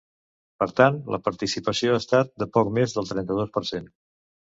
Per tant, la participació ha estat de poc més del trenta-dos per cent.